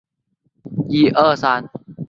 他抵达米斯龙德的精灵王国重新建交。